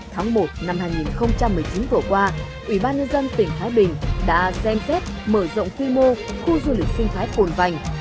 tháng một năm hai nghìn một mươi chín vừa qua ủy ban nhân dân tỉnh thái bình đã xem xét mở rộng quy mô khu du lịch sinh thái cồn vành